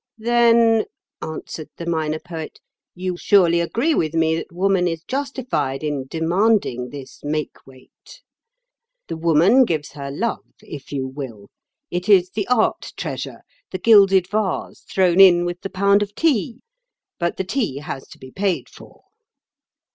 "Then," answered the Minor Poet, "you surely agree with me that woman is justified in demanding this 'make weight.' The woman gives her love, if you will. It is the art treasure, the gilded vase thrown in with the pound of tea; but the tea has to be paid for."